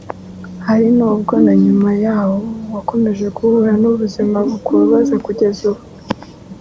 Hari n’ubwo na nyuma yaho wakomeje guhura n’ubuzima bukubabaza kugeza ubu